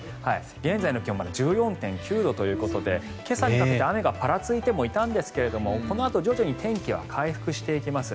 現在の気温１４．９度ということで今朝にかけて雨がぱらついてもいたんですがこのあと徐々に天気は回復していきます。